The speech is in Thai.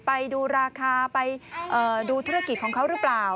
ไปดูราคาไปดูธุรกิจของเขาหรือเปล่า